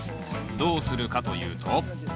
どうするかというと？